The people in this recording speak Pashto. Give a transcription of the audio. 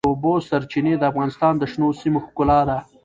د اوبو سرچینې د افغانستان د شنو سیمو ښکلا ده.